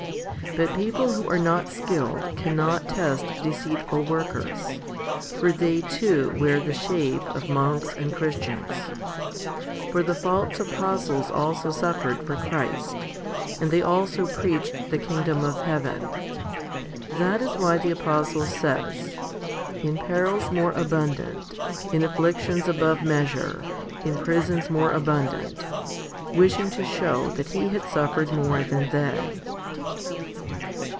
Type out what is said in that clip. But people who are not skilled cannot test deceitful workers, 1 for they too wear the shape of monks and Christians. For the false apostles also suffered for Christ, and they also preached the kingdom of heaven. That is why the apostle says In perils more abundant, in afflictions above measure, in prisons more abundant? wishing to show that he had suffered more than they.